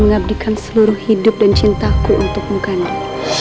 mengabdikan seluruh hidup dan cintaku untukmu ganda